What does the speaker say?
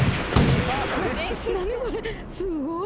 すごい。